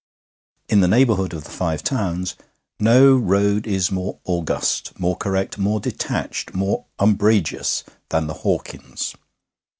In the neighbourhood of the Five Towns no road is more august, more correct, more detached, more umbrageous, than the Hawkins.